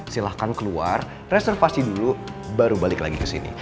silahkan keluar reservasi dulu baru balik lagi ke sini